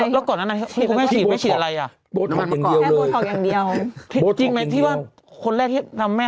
แล้วก่อนนั้นนะพี่คุณแม่ฉีดไปฉีดอะไร